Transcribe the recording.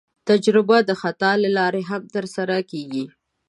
تجربه د خطا له لارې هم ترلاسه کېږي.